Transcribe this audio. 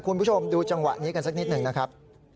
คุณผู้ชมดูจังหวะนี้กันสักนิดหนึ่งนะครับ